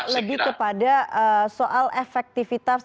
lebih kepada soal efektivitas